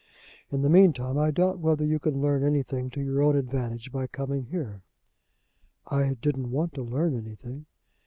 In the meantime I doubt whether you can learn anything to your own advantage by coming here." "I didn't want to learn anything."